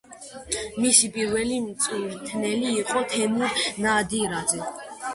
მისი პირველი მწვრთნელი იყო თემურ ნადირაძე.